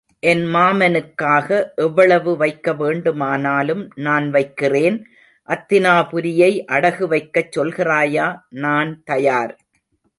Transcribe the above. என் மாமனுக்காக எவ்வளவு வைக்க வேண்டுமானாலும் நான் வைக்கிறேன் அத்தினாபுரியையே அடகு வைக்கச் சொல்கிறாயா நான் தயார்.